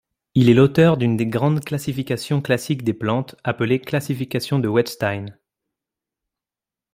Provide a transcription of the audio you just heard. Il est l'auteur d'une des grandes classifications classiques des plantes, appelée classification de Wettstein.